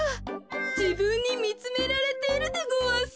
じぶんにみつめられているでごわす。